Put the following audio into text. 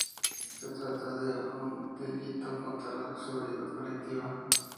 Se trata de un delito contra la seguridad colectiva.